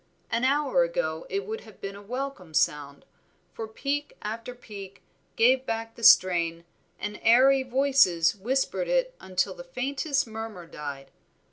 An hour ago it would have been a welcome sound, for peak after peak gave back the strain, and airy voices whispered it until the faintest murmur died.